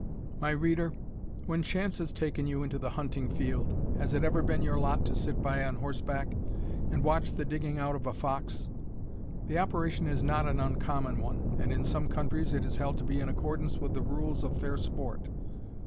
My reader, when chance has taken you into the hunting field, has it ever been your lot to sit by on horseback, and watch the digging out of a fox? The operation is not an uncommon one, and in some countries it is held to be in accordance with the rules of fair sport.